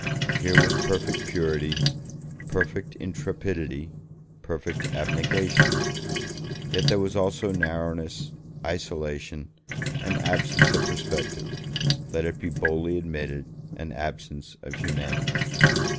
Here was perfect purity, perfect intrepidity, perfect abnegation; yet there was also narrowness, isolation, an absence of perspective, let it be boldly admitted, an absence of humanity.